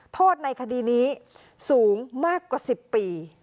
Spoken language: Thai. โทษในคดีนี้สูงมากกว่า๑๐ปี